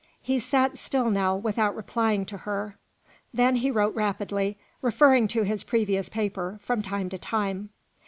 He sat still now without replying to her. Then he wrote rapidly, referring to his previous paper, from time to time.